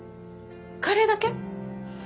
カレーだけ？